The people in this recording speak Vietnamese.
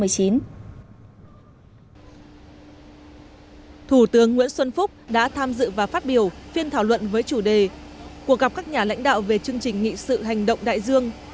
cuộc gặp các nhà lãnh đạo về chương trình nghị sự hành động đại dương